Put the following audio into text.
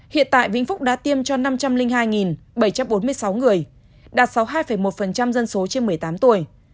hiện tại vĩnh phúc đã tiêm cho năm trăm linh hai bảy trăm bốn mươi sáu người đạt sáu mươi hai một dân số trên một mươi tám tuổi